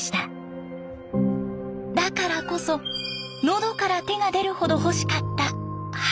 だからこそ喉から手が出るほど欲しかった橋。